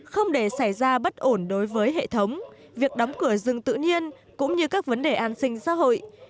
không để xảy ra bất ổn đối với hệ thống việc đóng cửa rừng tự nhiên cũng như các vấn đề an sinh xã hội